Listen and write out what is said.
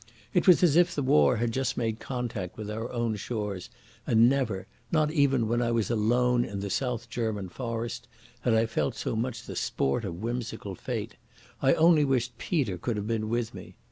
It was as if the war had just made contact with our own shores, and never, not even when I was alone in the South German forest, had I felt so much the sport of a whimsical fate. I only wished Peter could have been with me.